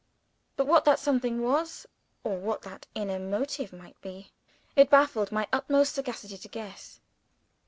But what that something was, or what that inner motive might be, it baffled my utmost sagacity to guess.